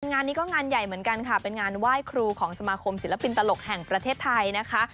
งานนี้ก็งานใหญ่เหมือนกันค่ะเป็นงานไหว้ครูของสมาคมศิลปินตลกแห่งประเทศไทยนะคะ